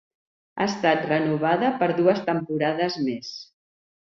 Ha estat renovada per dues temporades més.